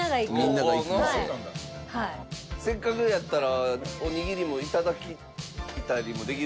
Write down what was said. せっかくやったらおにぎりも頂いたりもできますよ。